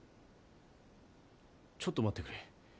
ちょっと待ってくれ。